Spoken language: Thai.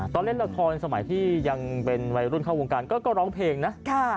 ตอนเล่นละครสมัยที่ยังเป็นวัยรุ่นเข้าวงการก็ร้องเพลงนะ